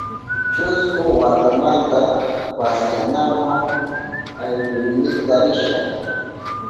Chusku watamanta pasyanapa aylluynita risha.